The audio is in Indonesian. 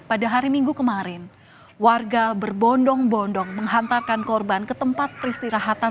pada hari minggu kemarin warga berbondong bondong menghantarkan korban ke tempat peristirahatan